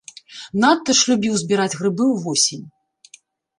Надта ж любіў збіраць грыбы ўвосень.